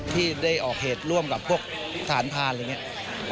ที่ได้ออกเหตุร่วมกับพวกฐานพันธ์